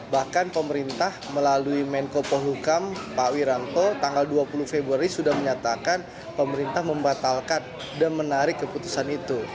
bahkan pemerintah melalui menko polhukam pak wiranto tanggal dua puluh februari sudah menyatakan pemerintah membatalkan dan menarik keputusan itu